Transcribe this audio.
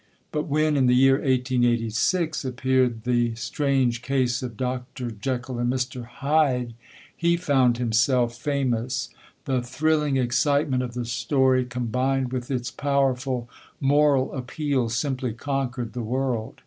But when, in the year 1886, appeared the Strange Case of Dr. Jekyll and Mr. Hyde, he found himself famous; the thrilling excitement of the story, combined with its powerful moral appeal, simply conquered the world.